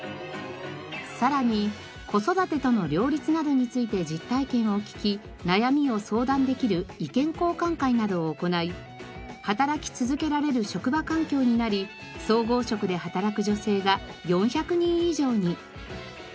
さらに子育てとの両立などについて実体験を聞き悩みを相談できる意見交換会などを行い働き続けられる職場環境になり総合職で働く女性が４００人以上に！